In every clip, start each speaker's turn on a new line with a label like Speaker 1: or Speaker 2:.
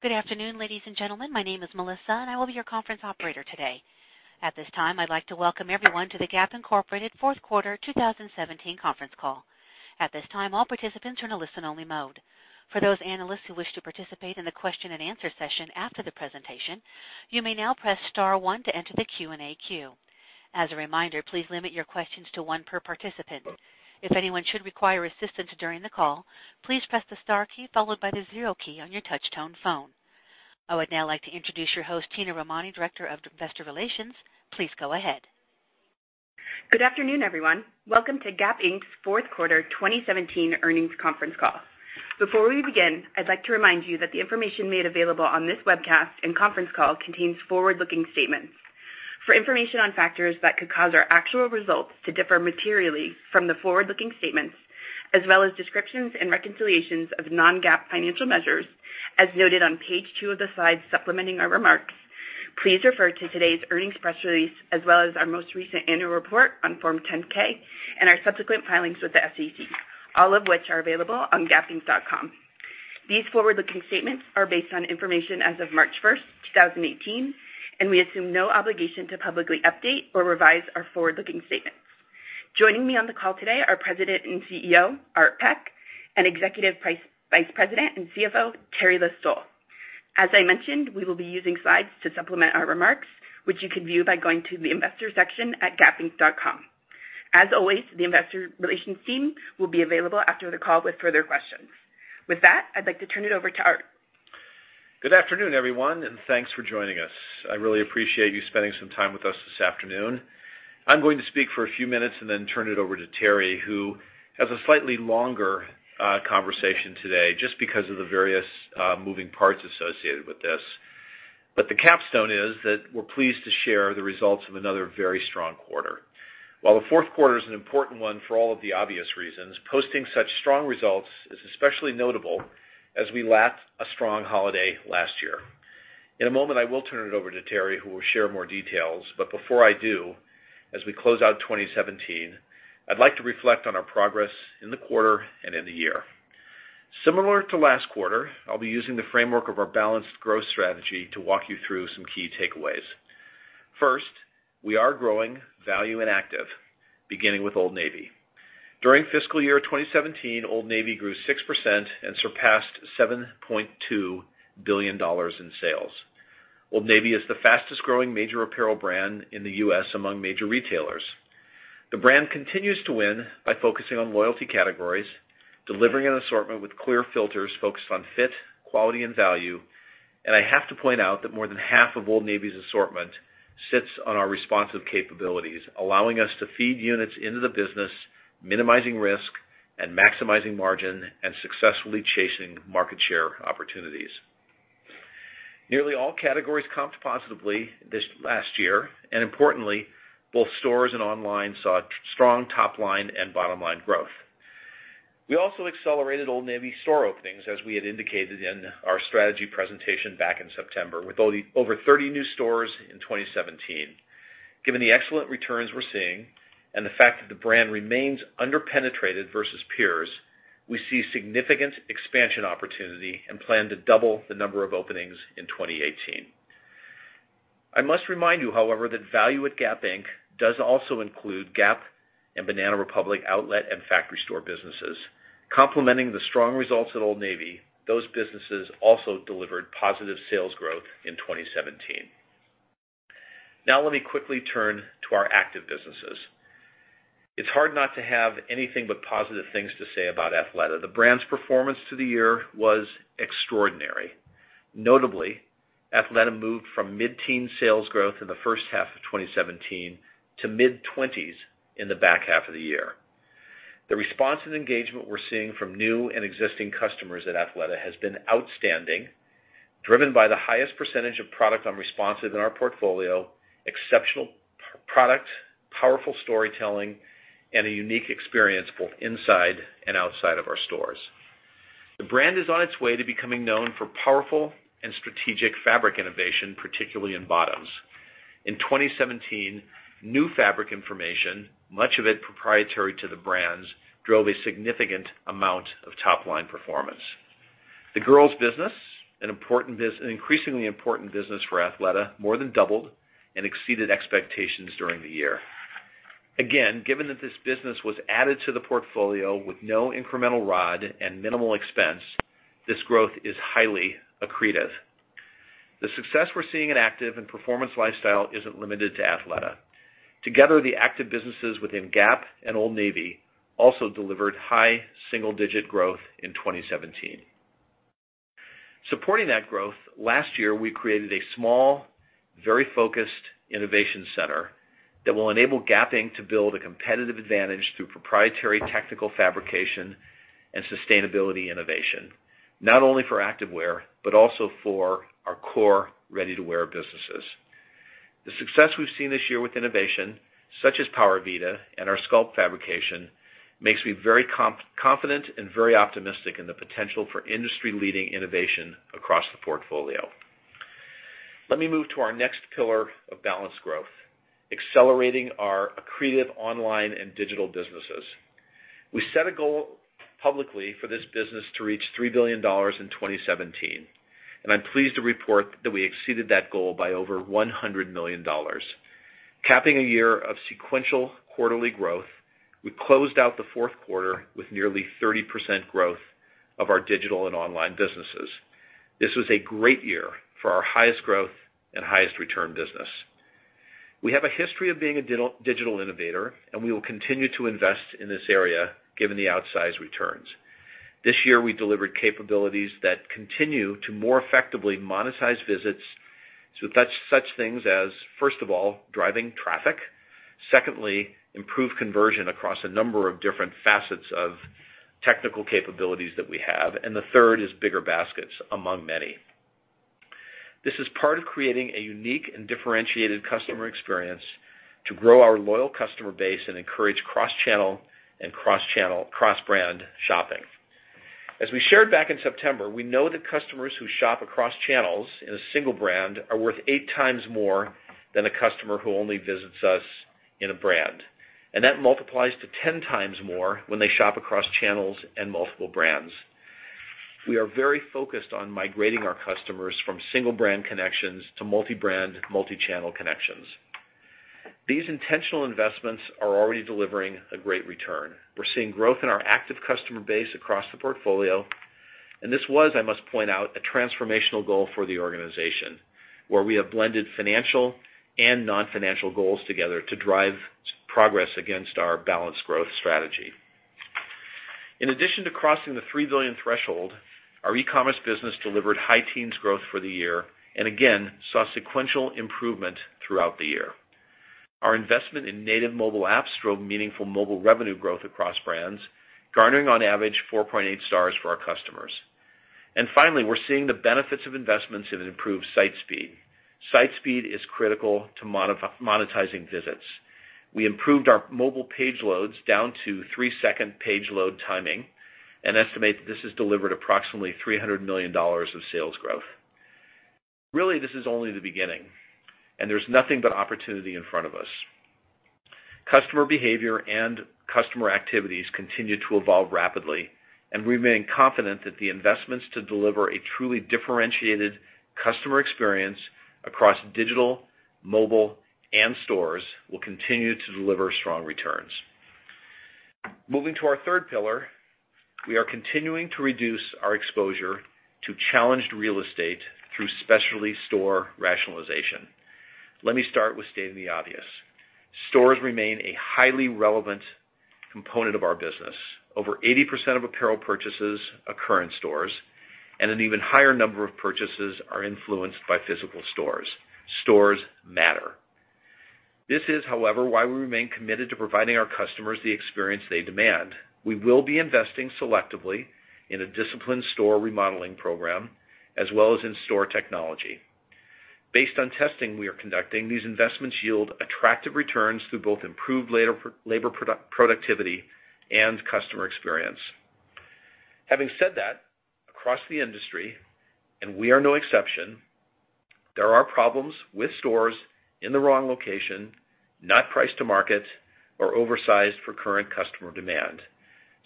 Speaker 1: Good afternoon, ladies and gentlemen. My name is Melissa, and I will be your conference operator today. At this time, I'd like to welcome everyone to the Gap Inc. fourth quarter 2017 conference call. At this time, all participants are in a listen-only mode. For those analysts who wish to participate in the question and answer session after the presentation, you may now press star one to enter the Q&A queue. As a reminder, please limit your questions to one per participant. If anyone should require assistance during the call, please press the star key followed by the zero key on your touch-tone phone. I would now like to introduce your host, Tina Romani, Director of Investor Relations. Please go ahead.
Speaker 2: Good afternoon, everyone. Welcome to Gap Inc.'s fourth quarter 2017 earnings conference call. Before we begin, I'd like to remind you that the information made available on this webcast and conference call contains forward-looking statements. For information on factors that could cause our actual results to differ materially from the forward-looking statements, as well as descriptions and reconciliations of non-GAAP financial measures, as noted on page two of the slides supplementing our remarks, please refer to today's earnings press release, as well as our most recent annual report on Form 10-K, and our subsequent filings with the SEC, all of which are available on gapinc.com. These forward-looking statements are based on information as of March 1st, 2018, and we assume no obligation to publicly update or revise our forward-looking statements. Joining me on the call today are President and CEO, Art Peck, and Executive Vice President and CFO, Teri List-Stoll. As I mentioned, we will be using slides to supplement our remarks, which you can view by going to the investor section at gapinc.com. As always, the investor relations team will be available after the call with further questions. With that, I'd like to turn it over to Art.
Speaker 3: Good afternoon, everyone. Thanks for joining us. I really appreciate you spending some time with us this afternoon. I'm going to speak for a few minutes and then turn it over to Teri, who has a slightly longer conversation today just because of the various moving parts associated with this. The capstone is that we're pleased to share the results of another very strong quarter. While the fourth quarter is an important one for all of the obvious reasons, posting such strong results is especially notable as we lacked a strong holiday last year. In a moment, I will turn it over to Teri, who will share more details. Before I do, as we close out 2017, I'd like to reflect on our progress in the quarter and in the year. Similar to last quarter, I'll be using the framework of our balanced growth strategy to walk you through some key takeaways. First, we are growing value and active, beginning with Old Navy. During FY 2017, Old Navy grew 6% and surpassed $7.2 billion in sales. Old Navy is the fastest-growing major apparel brand in the U.S. among major retailers. The brand continues to win by focusing on loyalty categories, delivering an assortment with clear filters focused on fit, quality, and value. I have to point out that more than half of Old Navy's assortment sits on our responsive capabilities, allowing us to feed units into the business, minimizing risk and maximizing margin, and successfully chasing market share opportunities. Nearly all categories comped positively this last year. Importantly, both stores and online saw strong top-line and bottom-line growth. We accelerated Old Navy store openings, as we had indicated in our strategy presentation back in September, with over 30 new stores in 2017. Given the excellent returns we're seeing and the fact that the brand remains under-penetrated versus peers, we see significant expansion opportunity and plan to double the number of openings in 2018. I must remind you, however, that value at Gap Inc. does also include Gap and Banana Republic outlet and factory store businesses. Complementing the strong results at Old Navy, those businesses also delivered positive sales growth in 2017. Now let me quickly turn to our active businesses. It's hard not to have anything but positive things to say about Athleta. The brand's performance through the year was extraordinary. Notably, Athleta moved from mid-teens sales growth in the first half of 2017 to mid-20s in the back half of the year. The response and engagement we're seeing from new and existing customers at Athleta has been outstanding, driven by the highest percentage of product on responsive in our portfolio, exceptional product, powerful storytelling, and a unique experience both inside and outside of our stores. The brand is on its way to becoming known for powerful and strategic fabric innovation, particularly in bottoms. In 2017, new fabric innovation, much of it proprietary to the brands, drove a significant amount of top-line performance. The girls' business, an increasingly important business for Athleta, more than doubled and exceeded expectations during the year. Again, given that this business was added to the portfolio with no incremental ROD and minimal expense, this growth is highly accretive. The success we're seeing in active and performance lifestyle isn't limited to Athleta. Together, the active businesses within Gap and Old Navy also delivered high single-digit growth in 2017. Supporting that growth, last year we created a small, very focused innovation center that will enable Gap Inc. to build a competitive advantage through proprietary technical fabrication and sustainability innovation, not only for activewear, but also for our core ready-to-wear businesses. The success we've seen this year with innovation, such as Powervita and our Sculpt fabrication, makes me very confident and very optimistic in the potential for industry-leading innovation across the portfolio. Let me move to our next pillar of balanced growth, accelerating our accretive online and digital businesses. We set a goal publicly for this business to reach $3 billion in 2017. I'm pleased to report that we exceeded that goal by over $100 million. Capping a year of sequential quarterly growth, we closed out the fourth quarter with nearly 30% growth of our digital and online businesses. This was a great year for our highest growth and highest return business. We have a history of being a digital innovator, and we will continue to invest in this area, given the outsized returns. This year, we delivered capabilities that continue to more effectively monetize visits, that's such things as, first of all, driving traffic. Secondly, improve conversion across a number of different facets of technical capabilities that we have. The third is bigger baskets, among many. This is part of creating a unique and differentiated customer experience to grow our loyal customer base and encourage cross-channel and cross-brand shopping. As we shared back in September, we know that customers who shop across channels in a single brand are worth eight times more than a customer who only visits us in a brand. That multiplies to 10 times more when they shop across channels and multiple brands. We are very focused on migrating our customers from single-brand connections to multi-brand, multi-channel connections. These intentional investments are already delivering a great return. We're seeing growth in our active customer base across the portfolio. This was, I must point out, a transformational goal for the organization, where we have blended financial and non-financial goals together to drive progress against our balanced growth strategy. In addition to crossing the $3 billion threshold, our e-commerce business delivered high teens growth for the year, and again, saw sequential improvement throughout the year. Our investment in native mobile apps drove meaningful mobile revenue growth across brands, garnering on average 4.8 stars for our customers. Finally, we're seeing the benefits of investments in an improved site speed. Site speed is critical to monetizing visits. We improved our mobile page loads down to three-second page load timing and estimate that this has delivered approximately $300 million of sales growth. Really, this is only the beginning, and there's nothing but opportunity in front of us. Customer behavior and customer activities continue to evolve rapidly, and we remain confident that the investments to deliver a truly differentiated customer experience across digital, mobile, and stores will continue to deliver strong returns. Moving to our third pillar, we are continuing to reduce our exposure to challenged real estate through specialty store rationalization. Let me start with stating the obvious. Stores remain a highly relevant component of our business. Over 80% of apparel purchases occur in stores, and an even higher number of purchases are influenced by physical stores. Stores matter. This is, however, why we remain committed to providing our customers the experience they demand. We will be investing selectively in a disciplined store remodeling program, as well as in store technology. Based on testing we are conducting, these investments yield attractive returns through both improved labor productivity and customer experience. Having said that, across the industry, and we are no exception, there are problems with stores in the wrong location, not priced to market, or oversized for current customer demand.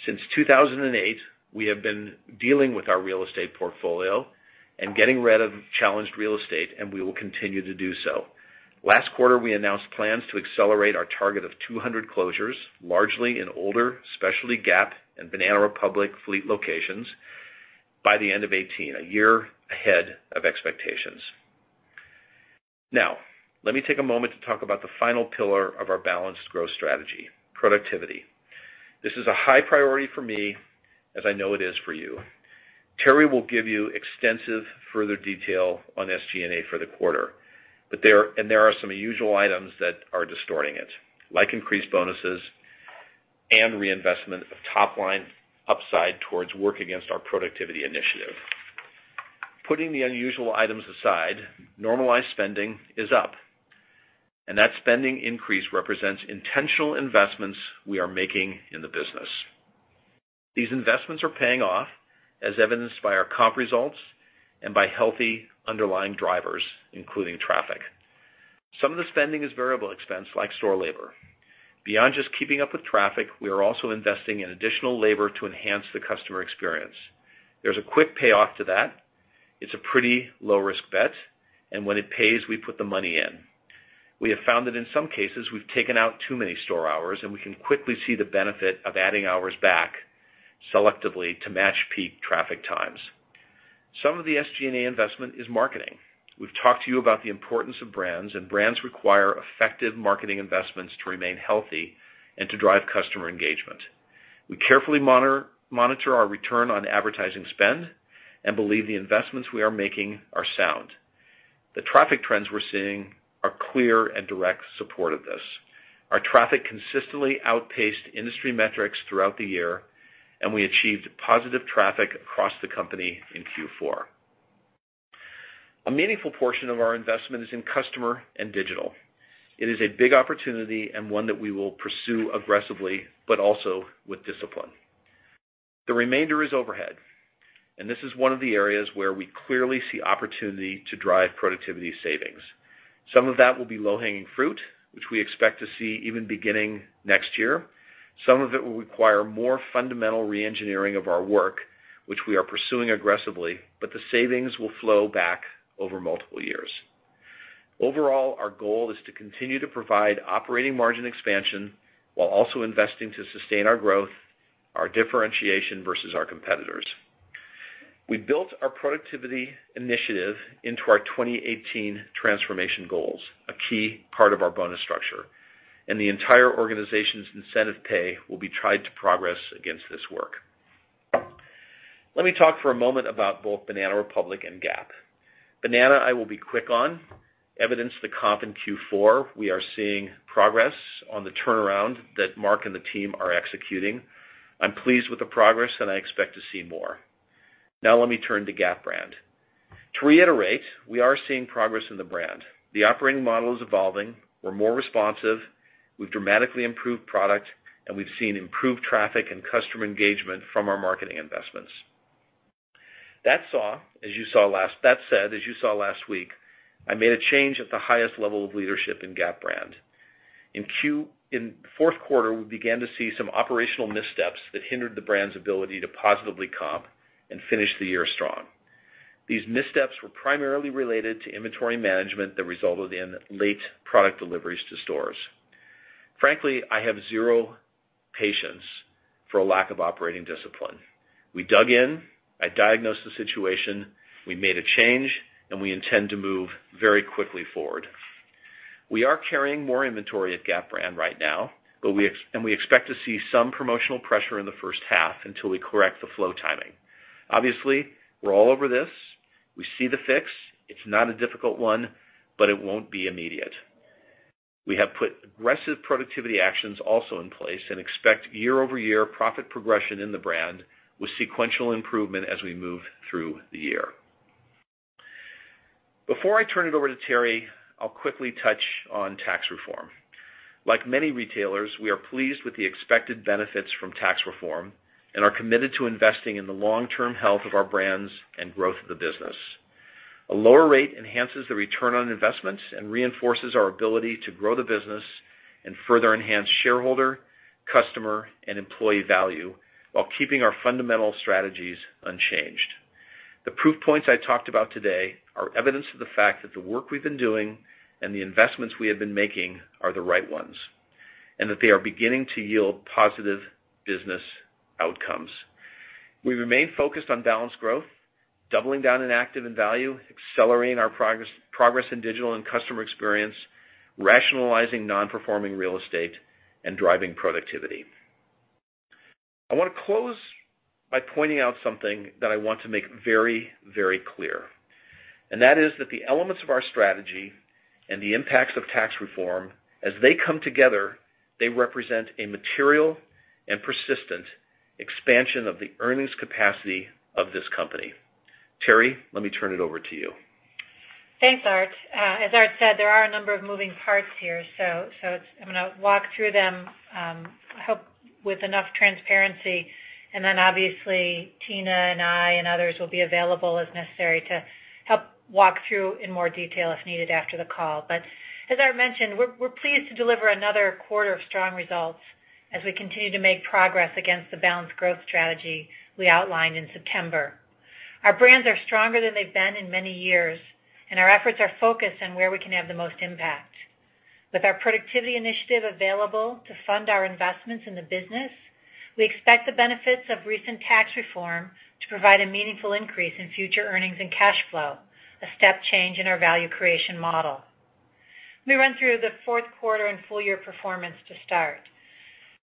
Speaker 3: Since 2008, we have been dealing with our real estate portfolio and getting rid of challenged real estate, and we will continue to do so. Last quarter, we announced plans to accelerate our target of 200 closures, largely in older specialty Gap and Banana Republic fleet locations, by the end of 2018, a year ahead of expectations. Let me take a moment to talk about the final pillar of our balanced growth strategy, productivity. This is a high priority for me, as I know it is for you. Teri will give you extensive further detail on SG&A for the quarter. There are some usual items that are distorting it, like increased bonuses and reinvestment of top-line upside towards work against our productivity initiative. Putting the unusual items aside, normalized spending is up, and that spending increase represents intentional investments we are making in the business. These investments are paying off, as evidenced by our comp results and by healthy underlying drivers, including traffic. Some of the spending is variable expense, like store labor. Beyond just keeping up with traffic, we are also investing in additional labor to enhance the customer experience. There's a quick payoff to that. It's a pretty low-risk bet. And when it pays, we put the money in. We have found that in some cases, we've taken out too many store hours, and we can quickly see the benefit of adding hours back selectively to match peak traffic times. Some of the SG&A investment is marketing. We've talked to you about the importance of brands, and brands require effective marketing investments to remain healthy and to drive customer engagement. We carefully monitor our return on advertising spend and believe the investments we are making are sound. The traffic trends we're seeing are clear and direct support of this. Our traffic consistently outpaced industry metrics throughout the year, and we achieved positive traffic across the company in Q4. A meaningful portion of our investment is in customer and digital. It is a big opportunity and one that we will pursue aggressively, but also with discipline. The remainder is overhead, and this is one of the areas where we clearly see opportunity to drive productivity savings. Some of that will be low-hanging fruit, which we expect to see even beginning next year. Some of it will require more fundamental re-engineering of our work, which we are pursuing aggressively, but the savings will flow back over multiple years. Overall, our goal is to continue to provide operating margin expansion while also investing to sustain our growth, our differentiation versus our competitors. We built our productivity initiative into our 2018 transformation goals, a key part of our bonus structure, and the entire organization's incentive pay will be tied to progress against this work. Let me talk for a moment about both Banana Republic and Gap. Banana I will be quick on. Evidence of the comp in Q4, we are seeing progress on the turnaround that Mark and the team are executing. I'm pleased with the progress, and I expect to see more. Now let me turn to Gap brand. To reiterate, we are seeing progress in the brand. The operating model is evolving. We're more responsive. We've dramatically improved product, and we've seen improved traffic and customer engagement from our marketing investments. That said, as you saw last week, I made a change at the highest level of leadership in Gap brand. In fourth quarter, we began to see some operational missteps that hindered the brand's ability to positively comp and finish the year strong. These missteps were primarily related to inventory management that resulted in late product deliveries to stores. Frankly, I have zero patience for a lack of operating discipline. We dug in, I diagnosed the situation, we made a change, we intend to move very quickly forward. We are carrying more inventory at Gap brand right now, we expect to see some promotional pressure in the first half until we correct the flow timing. Obviously, we're all over this. We see the fix. It's not a difficult one, but it won't be immediate. We have put aggressive productivity actions also in place and expect year-over-year profit progression in the brand with sequential improvement as we move through the year. Before I turn it over to Teri, I'll quickly touch on tax reform. Like many retailers, we are pleased with the expected benefits from tax reform and are committed to investing in the long-term health of our brands and growth of the business. A lower rate enhances the return on investments, reinforces our ability to grow the business and further enhance shareholder, customer, and employee value while keeping our fundamental strategies unchanged. The proof points I talked about today are evidence of the fact that the work we've been doing and the investments we have been making are the right ones, that they are beginning to yield positive business outcomes. We remain focused on balanced growth, doubling down on active and value, accelerating our progress in digital and customer experience, rationalizing non-performing real estate, driving productivity. I want to close by pointing out something that I want to make very clear, that is that the elements of our strategy and the impacts of tax reform, as they come together, they represent a material and persistent expansion of the earnings capacity of this company. Teri, let me turn it over to you.
Speaker 4: Thanks, Art. As Art said, there are a number of moving parts here. I'm going to walk through them, I hope with enough transparency, then obviously Tina and I and others will be available as necessary to help walk through in more detail if needed after the call. As Art mentioned, we're pleased to deliver another quarter of strong results as we continue to make progress against the balanced growth strategy we outlined in September. Our brands are stronger than they've been in many years, our efforts are focused on where we can have the most impact. With our productivity initiative available to fund our investments in the business, we expect the benefits of recent tax reform to provide a meaningful increase in future earnings and cash flow, a step change in our value creation model. Let me run through the fourth quarter and full-year performance to start.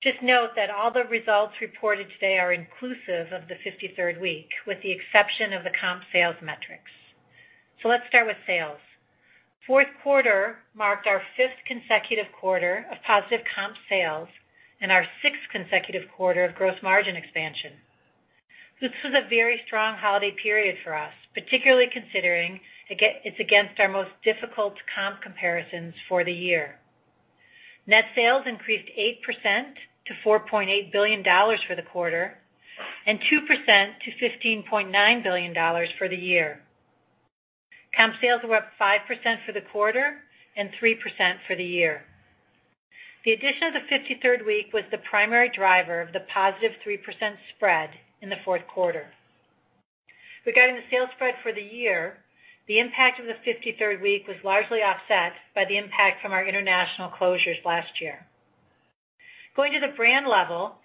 Speaker 4: Just note that all the results reported today are inclusive of the 53rd week, with the exception of the comp sales metrics. Let's start with sales. Fourth quarter marked our fifth consecutive quarter of positive comp sales and our sixth consecutive quarter of gross margin expansion. This was a very strong holiday period for us, particularly considering it is against our most difficult comp comparisons for the year. Net sales increased 8% to $4.8 billion for the quarter and 2% to $15.9 billion for the year. Comp sales were up 5% for the quarter and 3% for the year. The addition of the 53rd week was the primary driver of the positive 3% spread in the fourth quarter. Regarding the sales spread for the year, the impact of the 53rd week was largely offset by the impact from our international closures last year. Going to the brand level,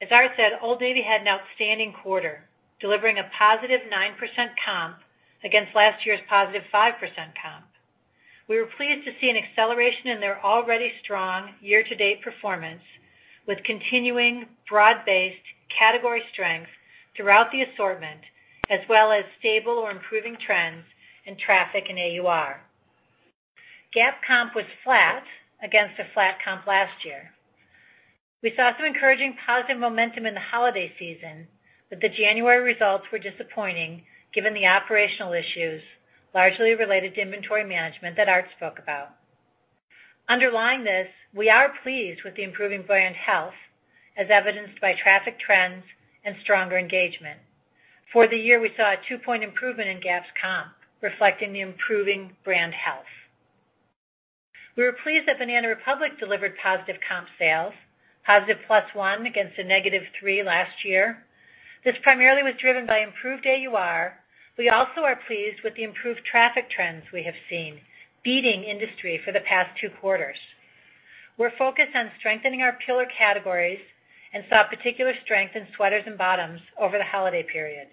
Speaker 4: as Art said, Old Navy had an outstanding quarter, delivering a positive 9% comp against last year's positive 5% comp. We were pleased to see an acceleration in their already strong year-to-date performance with continuing broad-based category strength throughout the assortment, as well as stable or improving trends in traffic and AUR. Gap comp was flat against a flat comp last year. We saw some encouraging positive momentum in the holiday season, but the January results were disappointing given the operational issues largely related to inventory management that Art spoke about. Underlying this, we are pleased with the improving brand health as evidenced by traffic trends and stronger engagement. For the year, we saw a two-point improvement in Gap comp reflecting the improving brand health. We were pleased that Banana Republic delivered positive comp sales, positive plus one against a negative three last year. This primarily was driven by improved AUR. We also are pleased with the improved traffic trends we have seen, beating industry for the past two quarters. We are focused on strengthening our pillar categories and saw particular strength in sweaters and bottoms over the holiday period.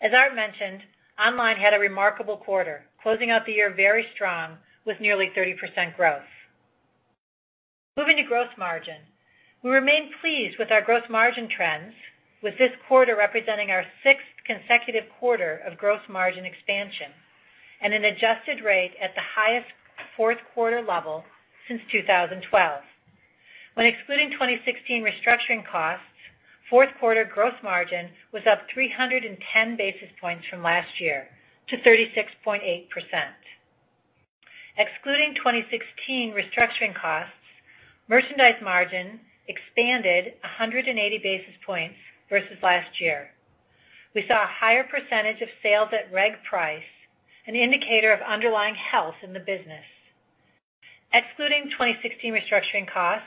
Speaker 4: As Art mentioned, online had a remarkable quarter, closing out the year very strong with nearly 30% growth. Moving to gross margin. We remain pleased with our gross margin trends, with this quarter representing our sixth consecutive quarter of gross margin expansion and an adjusted rate at the highest fourth quarter level since 2012. When excluding 2016 restructuring costs, fourth quarter gross margin was up 310 basis points from last year to 36.8%. Excluding 2016 restructuring costs, merchandise margin expanded 180 basis points versus last year. We saw a higher percentage of sales at reg price, an indicator of underlying health in the business. Excluding 2016 restructuring costs,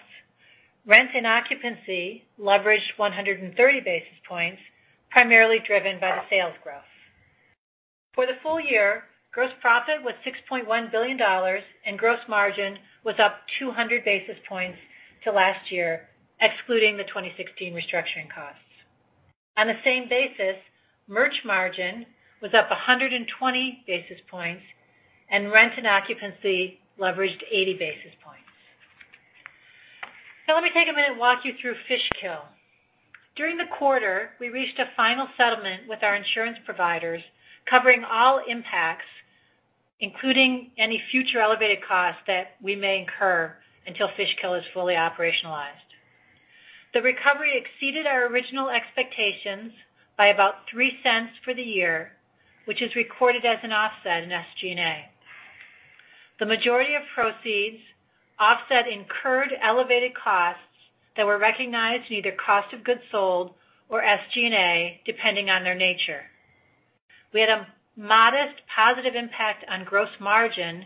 Speaker 4: rent and occupancy leveraged 130 basis points, primarily driven by the sales growth. For the full-year, gross profit was $6.1 billion, and gross margin was up 200 basis points to last year, excluding the 2016 restructuring costs. On the same basis, merch margin was up 120 basis points and rent and occupancy leveraged 80 basis points. Let me take a minute and walk you through Fishkill. During the quarter, we reached a final settlement with our insurance providers covering all impacts, including any future elevated costs that we may incur until Fishkill is fully operationalized. The recovery exceeded our original expectations by about $0.03 for the year, which is recorded as an offset in SG&A. The majority of proceeds offset incurred elevated costs that were recognized in either cost of goods sold or SG&A, depending on their nature. We had a modest positive impact on gross margin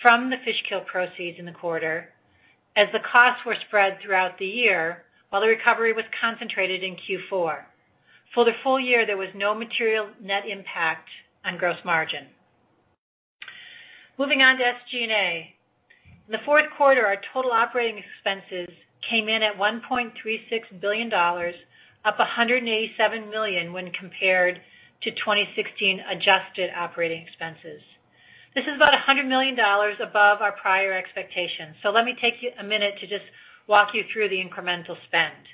Speaker 4: from the Fishkill proceeds in the quarter as the costs were spread throughout the year, while the recovery was concentrated in Q4. For the full year, there was no material net impact on gross margin. Moving on to SG&A. In the fourth quarter, our total operating expenses came in at $1.36 billion, up $187 million when compared to 2016 adjusted operating expenses. This is about $100 million above our prior expectations. Let me take a minute to just walk you through the incremental spend.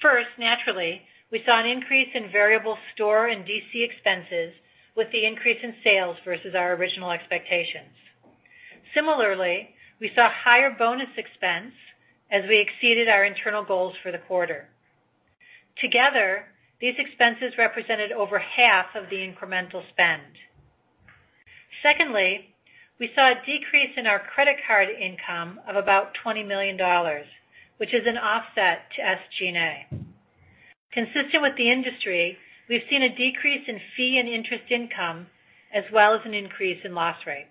Speaker 4: First, naturally, we saw an increase in variable store and DC expenses with the increase in sales versus our original expectations. Similarly, we saw higher bonus expense as we exceeded our internal goals for the quarter. Together, these expenses represented over half of the incremental spend. Secondly, we saw a decrease in our credit card income of about $20 million, which is an offset to SG&A. Consistent with the industry, we've seen a decrease in fee and interest income, as well as an increase in loss rates.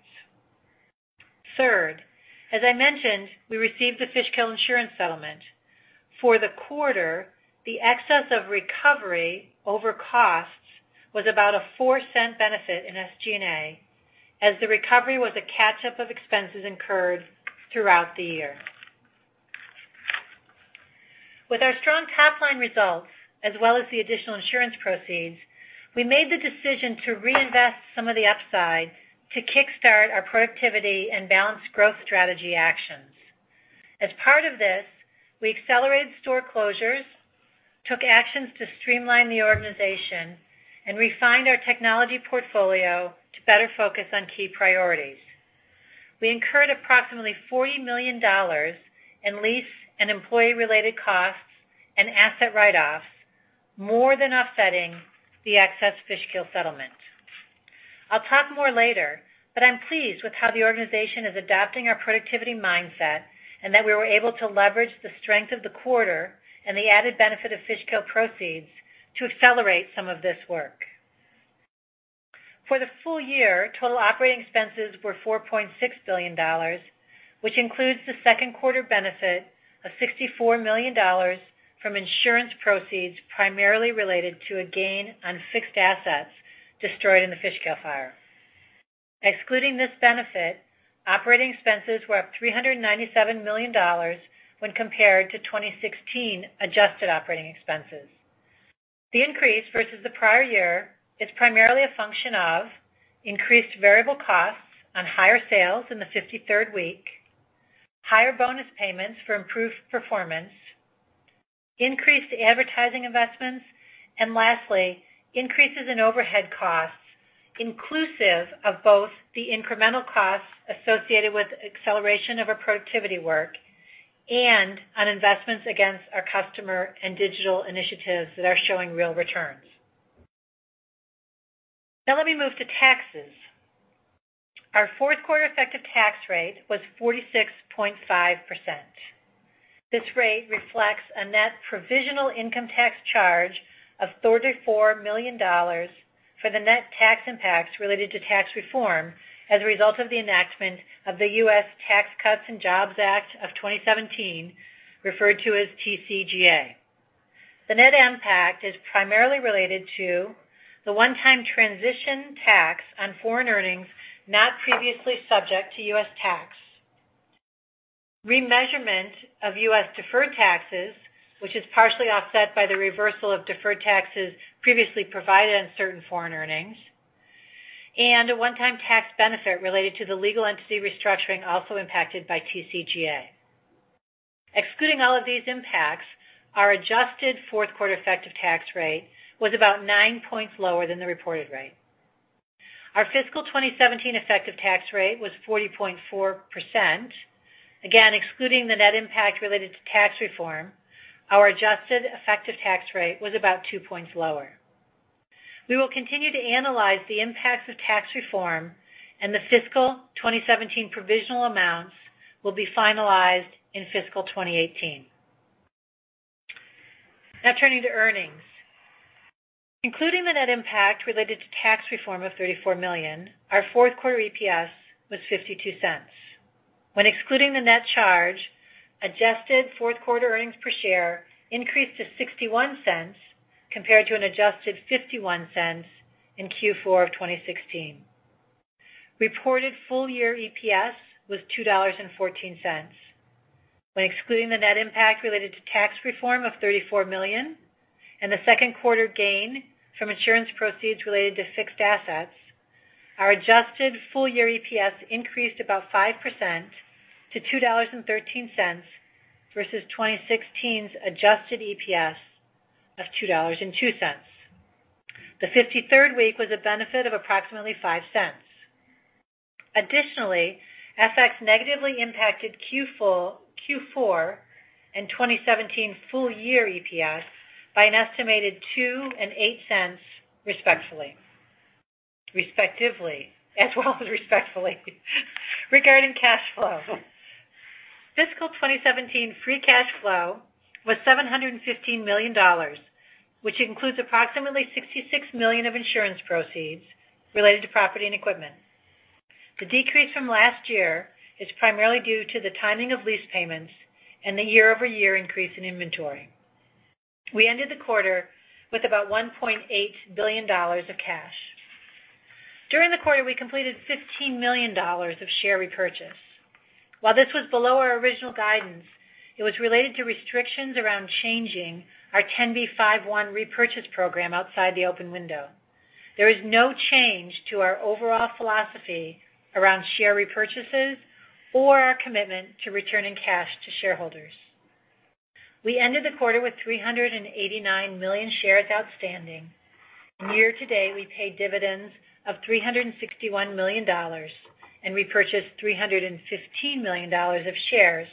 Speaker 4: Third, as I mentioned, we received the Fishkill insurance settlement. For the quarter, the excess of recovery over costs was about a $0.04 benefit in SG&A, as the recovery was a catch-up of expenses incurred throughout the year. With our strong top-line results, as well as the additional insurance proceeds, we made the decision to reinvest some of the upside to kickstart our productivity and balanced growth strategy actions. As part of this, we accelerated store closures, took actions to streamline the organization, and refined our technology portfolio to better focus on key priorities. We incurred approximately $40 million in lease and employee-related costs and asset write-offs, more than offsetting the excess Fishkill settlement. I'll talk more later, but I'm pleased with how the organization is adopting our productivity mindset and that we were able to leverage the strength of the quarter and the added benefit of Fishkill proceeds to accelerate some of this work. For the full year, total operating expenses were $4.6 billion, which includes the second quarter benefit of $64 million from insurance proceeds, primarily related to a gain on fixed assets destroyed in the Fishkill fire. Excluding this benefit, operating expenses were up $397 million when compared to 2016 adjusted operating expenses. The increase versus the prior year is primarily a function of increased variable costs on higher sales in the 53rd week, higher bonus payments for improved performance, increased advertising investments, and lastly, increases in overhead costs, inclusive of both the incremental costs associated with acceleration of our productivity work and on investments against our customer and digital initiatives that are showing real returns. Let me move to taxes. Our fourth quarter effective tax rate was 46.5%. This rate reflects a net provisional income tax charge of $34 million for the net tax impacts related to tax reform as a result of the enactment of the U.S. Tax Cuts and Jobs Act of 2017, referred to as TCJA. The net impact is primarily related to the one-time transition tax on foreign earnings not previously subject to U.S. tax, remeasurement of U.S. deferred taxes, which is partially offset by the reversal of deferred taxes previously provided on certain foreign earnings, and a one-time tax benefit related to the legal entity restructuring also impacted by TCJA. Excluding all of these impacts, our adjusted fourth-quarter effective tax rate was about nine points lower than the reported rate. Our fiscal 2017 effective tax rate was 40.4%. Again, excluding the net impact related to tax reform, our adjusted effective tax rate was about two points lower. We will continue to analyze the impacts of tax reform, and the fiscal 2017 provisional amounts will be finalized in fiscal 2018. Turning to earnings. Including the net impact related to tax reform of $34 million, our fourth quarter EPS was $0.52. When excluding the net charge, adjusted fourth-quarter earnings per share increased to $0.61 compared to an adjusted $0.51 in Q4 of 2016. Reported full-year EPS was $2.14. When excluding the net impact related to tax reform of $34 million and the second quarter gain from insurance proceeds related to fixed assets, our adjusted full-year EPS increased about 5% to $2.13 versus 2016's adjusted EPS of $2.02. The 53rd week was a benefit of approximately $0.05. Additionally, FX negatively impacted Q4 and 2017 full-year EPS by an estimated $0.02 and $0.08, respectively. Regarding cash flow. Fiscal 2017 free cash flow was $715 million, which includes approximately $66 million of insurance proceeds related to property and equipment. The decrease from last year is primarily due to the timing of lease payments and the year-over-year increase in inventory. We ended the quarter with about $1.8 billion of cash. During the quarter, we completed $15 million of share repurchase. While this was below our original guidance, it was related to restrictions around changing our 10b5-1 repurchase program outside the open window. There is no change to our overall philosophy around share repurchases or our commitment to returning cash to shareholders. We ended the quarter with 389 million shares outstanding. Year to date, we paid dividends of $361 million and repurchased $315 million of shares,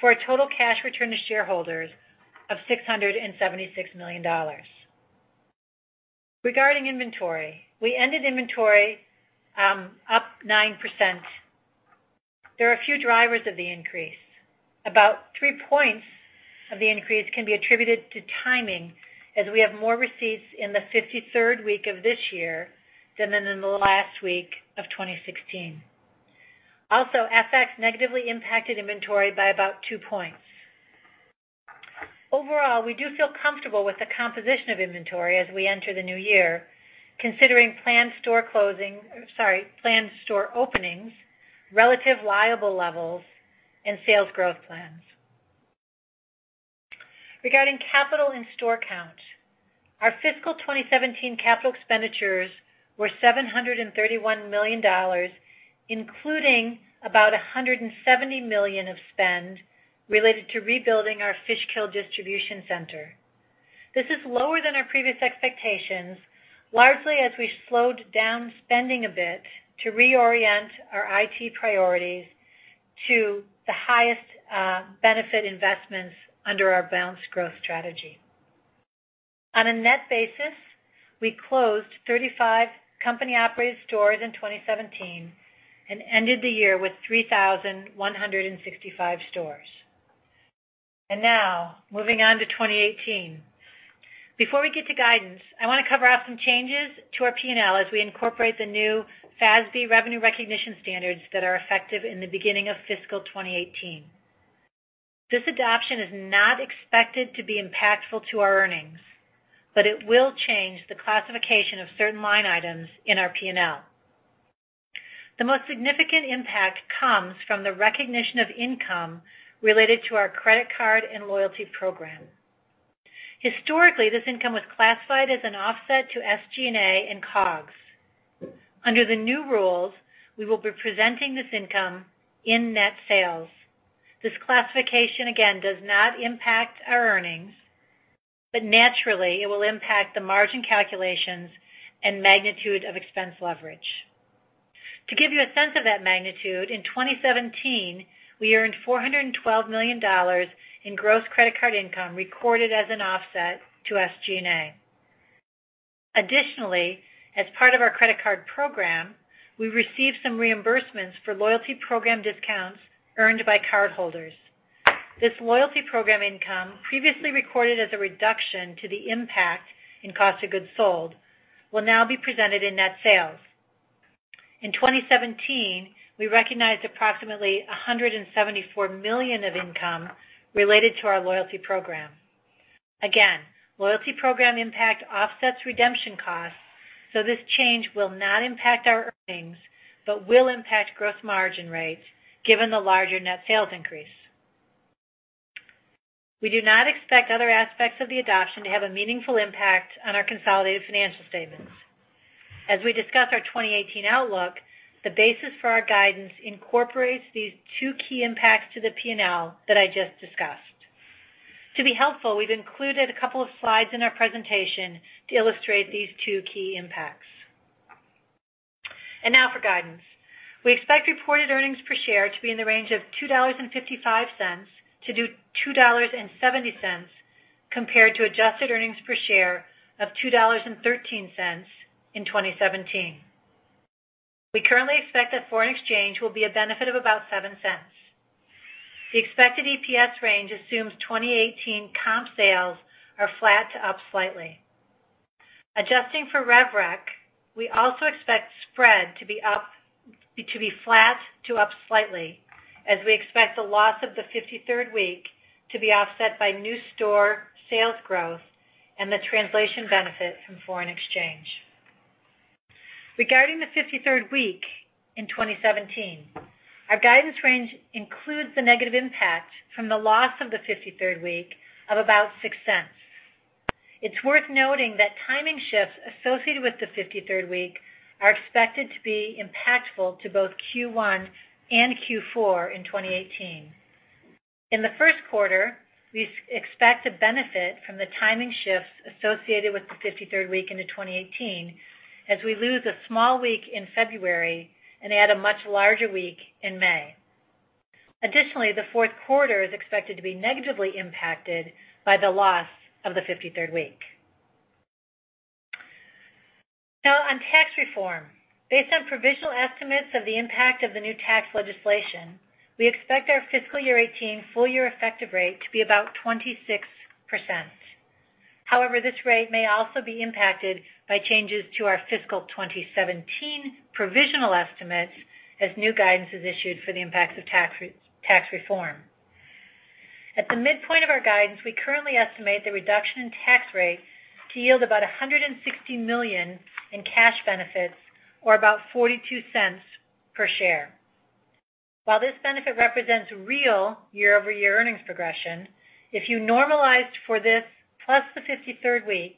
Speaker 4: for a total cash return to shareholders of $676 million. Regarding inventory, we ended inventory up 9%. There are a few drivers of the increase. About three points of the increase can be attributed to timing, as we have more receipts in the 53rd week of this year than in the last week of 2016. Also, FX negatively impacted inventory by about two points. Overall, we do feel comfortable with the composition of inventory as we enter the new year, considering planned store openings, relative viable levels, and sales growth plans. Regarding capital and store count, our fiscal 2017 capital expenditures were $731 million, including about $170 million of spend related to rebuilding our Fishkill Distribution Center. This is lower than our previous expectations, largely as we slowed down spending a bit to reorient our IT priorities to the highest benefit investments under our balanced growth strategy. On a net basis, we closed 35 company-operated stores in 2017 and ended the year with 3,165 stores. moving on to 2018. Before we get to guidance, I want to cover off some changes to our P&L as we incorporate the new FASB revenue recognition standards that are effective in the beginning of fiscal 2018. This adoption is not expected to be impactful to our earnings, but it will change the classification of certain line items in our P&L. The most significant impact comes from the recognition of income related to our credit card and loyalty program. Historically, this income was classified as an offset to SG&A and COGS. Under the new rules, we will be presenting this income in net sales. This classification, again, does not impact our earnings, but naturally, it will impact the margin calculations and magnitude of expense leverage. To give you a sense of that magnitude, in 2017, we earned $412 million in gross credit card income recorded as an offset to SG&A. Additionally, as part of our credit card program, we received some reimbursements for loyalty program discounts earned by cardholders. This loyalty program income, previously recorded as a reduction to the impact in cost of goods sold, will now be presented in net sales. In 2017, we recognized approximately $174 million of income related to our loyalty program. Again, loyalty program impact offsets redemption costs, this change will not impact our earnings but will impact gross margin rates given the larger net sales increase. We do not expect other aspects of the adoption to have a meaningful impact on our consolidated financial statements. As we discuss our 2018 outlook, the basis for our guidance incorporates these two key impacts to the P&L that I just discussed. To be helpful, we've included a couple of slides in our presentation to illustrate these two key impacts. Now for guidance. We expect reported earnings per share to be in the range of $2.55 to $2.70, compared to adjusted earnings per share of $2.13 in 2017. We currently expect that foreign exchange will be a benefit of about $0.07. The expected EPS range assumes 2018 comp sales are flat to up slightly. Adjusting for rev rec, we also expect spread to be flat to up slightly as we expect the loss of the 53rd week to be offset by new store sales growth and the translation benefit from foreign exchange. Regarding the 53rd week in 2017, our guidance range includes the negative impact from the loss of the 53rd week of about $0.06. It's worth noting that timing shifts associated with the 53rd week are expected to be impactful to both Q1 and Q4 in 2018. In the first quarter, we expect to benefit from the timing shifts associated with the 53rd week into 2018, as we lose a small week in February and add a much larger week in May. Additionally, the fourth quarter is expected to be negatively impacted by the loss of the 53rd week. On tax reform. Based on provisional estimates of the impact of the new tax legislation, we expect our fiscal year 2018 full year effective rate to be about 26%. However, this rate may also be impacted by changes to our fiscal 2017 provisional estimates as new guidance is issued for the impacts of tax reform. At the midpoint of our guidance, we currently estimate the reduction in tax rates to yield about $160 million in cash benefits or about $0.42 per share. While this benefit represents real year-over-year earnings progression, if you normalized for this plus the 53rd week,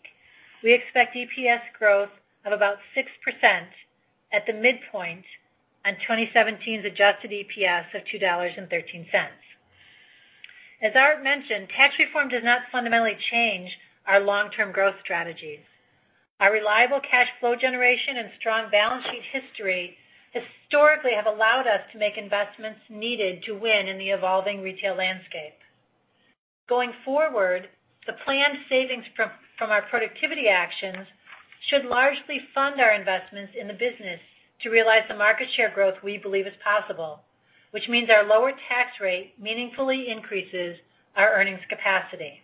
Speaker 4: we expect EPS growth of about 6% at the midpoint on 2017's adjusted EPS of $2.13. As Art mentioned, tax reform does not fundamentally change our long-term growth strategies. Our reliable cash flow generation and strong balance sheet history historically have allowed us to make investments needed to win in the evolving retail landscape. Going forward, the planned savings from our productivity actions should largely fund our investments in the business to realize the market share growth we believe is possible, which means our lower tax rate meaningfully increases our earnings capacity.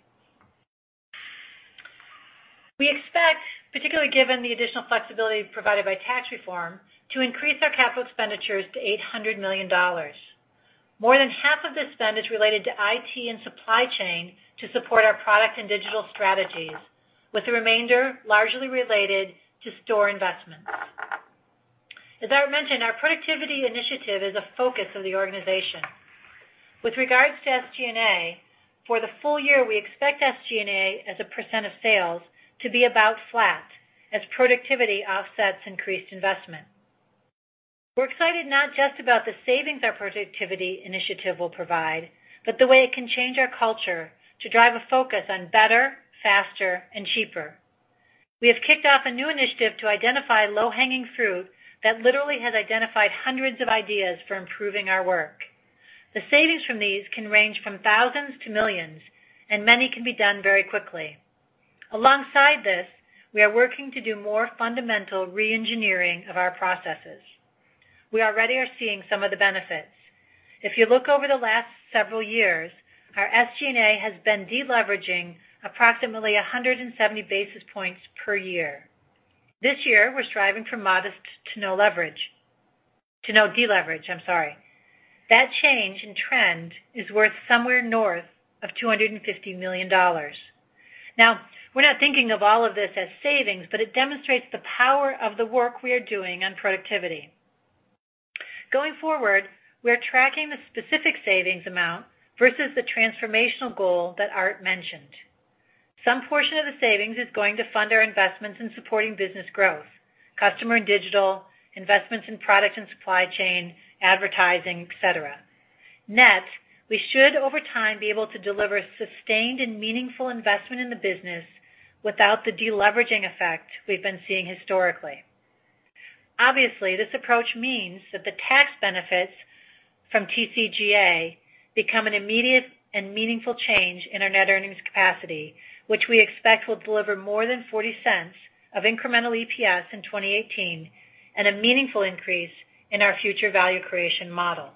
Speaker 4: We expect, particularly given the additional flexibility provided by tax reform, to increase our capital expenditures to $800 million. More than half of this spend is related to IT and supply chain to support our product and digital strategies, with the remainder largely related to store investments. As Art mentioned, our productivity initiative is a focus of the organization. With regards to SG&A, for the full year, we expect SG&A as a % of sales to be about flat as productivity offsets increased investment. We're excited not just about the savings our productivity initiative will provide, but the way it can change our culture to drive a focus on better, faster, and cheaper. We have kicked off a new initiative to identify low-hanging fruit that literally has identified hundreds of ideas for improving our work. The savings from these can range from thousands to millions, and many can be done very quickly. Alongside this, we are working to do more fundamental re-engineering of our processes. We already are seeing some of the benefits. If you look over the last several years, our SG&A has been deleveraging approximately 170 basis points per year. This year, we're striving for modest to no leverage. To no deleverage, I'm sorry. That change in trend is worth somewhere north of $250 million. We're not thinking of all of this as savings, but it demonstrates the power of the work we are doing on productivity. Going forward, we're tracking the specific savings amount versus the transformational goal that Art mentioned. Some portion of the savings is going to fund our investments in supporting business growth, customer and digital, investments in product and supply chain, advertising, et cetera. Net, we should, over time, be able to deliver sustained and meaningful investment in the business without the de-leveraging effect we've been seeing historically. Obviously, this approach means that the tax benefits from TCJA become an immediate and meaningful change in our net earnings capacity, which we expect will deliver more than $0.40 of incremental EPS in 2018 and a meaningful increase in our future value creation model.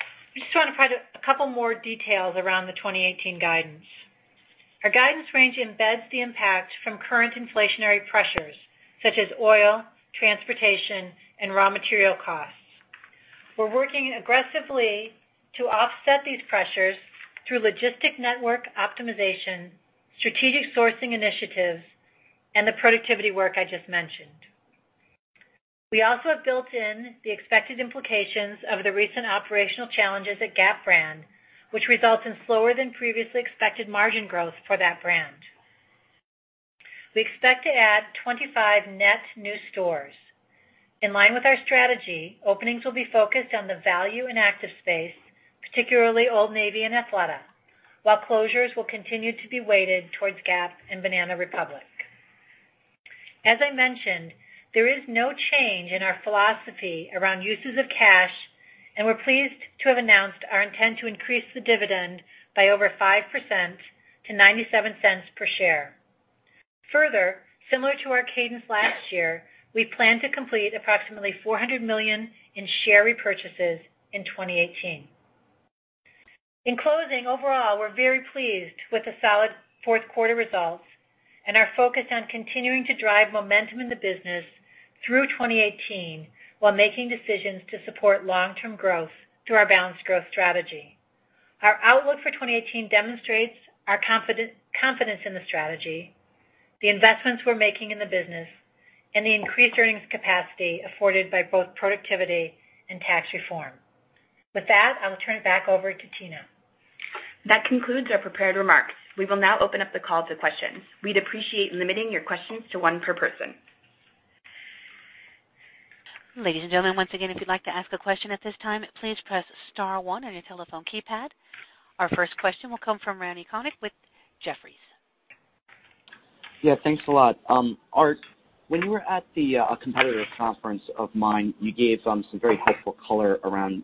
Speaker 4: I just want to provide a couple more details around the 2018 guidance. Our guidance range embeds the impact from current inflationary pressures such as oil, transportation, and raw material costs. We're working aggressively to offset these pressures through logistic network optimization, strategic sourcing initiatives, and the productivity work I just mentioned. We also have built in the expected implications of the recent operational challenges at Gap brand, which results in slower than previously expected margin growth for that brand. We expect to add 25 net new stores. In line with our strategy, openings will be focused on the value and active space, particularly Old Navy and Athleta, while closures will continue to be weighted towards Gap and Banana Republic. As I mentioned, there is no change in our philosophy around uses of cash, and we're pleased to have announced our intent to increase the dividend by over 5% to $0.97 per share. Similar to our cadence last year, we plan to complete approximately $400 million in share repurchases in 2018. In closing, overall, we're very pleased with the solid fourth quarter results and our focus on continuing to drive momentum in the business through 2018 while making decisions to support long-term growth through our balanced growth strategy. Our outlook for 2018 demonstrates our confidence in the strategy, the investments we're making in the business, and the increased earnings capacity afforded by both productivity and tax reform. With that, I will turn it back over to Tina.
Speaker 2: That concludes our prepared remarks. We will now open up the call to questions. We'd appreciate limiting your questions to one per person.
Speaker 1: Ladies and gentlemen, once again, if you'd like to ask a question at this time, please press star one on your telephone keypad. Our first question will come from Randy Konik with Jefferies.
Speaker 5: Yeah, thanks a lot. Art, when you were at the competitive conference of mine, you gave some very helpful color around